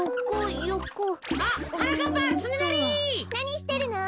なにしてるの？